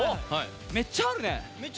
めっちゃあるね！